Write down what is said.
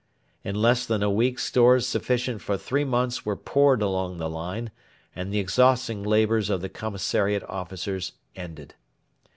In less than a week stores sufficient for three months were poured along the line, and the exhausting labours of the commissariat officers ended.